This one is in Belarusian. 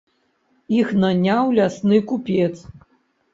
Іх наняў лясны купец.